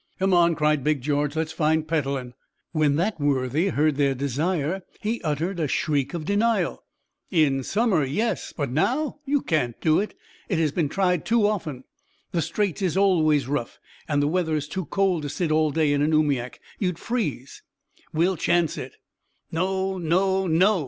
"Come on," cried Big George, "let's find Petellin!" When that worthy heard their desire, he uttered a shriek of denial. "In summer, yes, but now you can't do it. It has been tried too often. The Straits is always rough, and the weather is too cold to sit all day in an oomiak, you'd freeze." "We'll chance it." "No, no, NO!